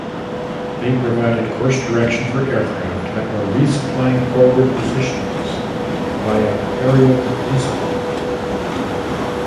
They provided course direction for aircraft that were resupplying forward positions via aerial resupply.